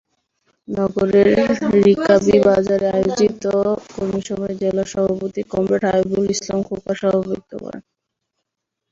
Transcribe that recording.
নগরের রিকাবিবাজারে আয়োজিত কর্মিসভায় জেলার সভাপতি কমরেড হাবিবুল ইসলাম খোকার সভাপতিত্ব করেন।